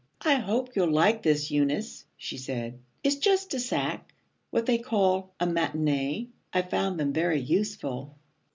'I hope you'll like this, Eunice,' she said. 'It's just a sack, what they call a matinée. I've found them very useful.'